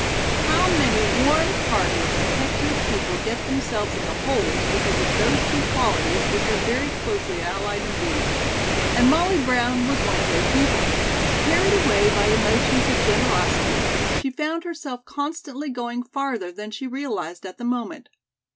How many warm hearted, impetuous people get themselves into holes because of those two qualities which are very closely allied indeed; and Molly Brown was one of those people. Carried away by emotions of generosity, she found herself constantly going farther than she realized at the moment.